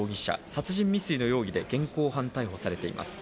殺人未遂の容疑で現行犯逮捕されています。